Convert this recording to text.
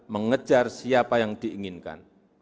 mengejar siapa yang diinginkan